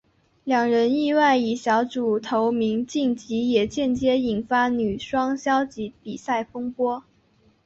两人意外以小组头名晋级也间接引发女双消极比赛风波。